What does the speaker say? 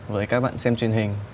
với các bạn xem truyền hình